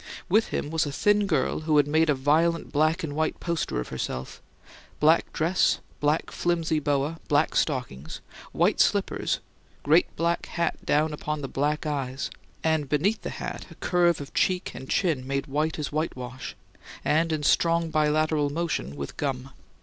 With him was a thin girl who had made a violent black and white poster of herself: black dress, black flimsy boa, black stockings, white slippers, great black hat down upon the black eyes; and beneath the hat a curve of cheek and chin made white as whitewash, and in strong bilateral motion with gum.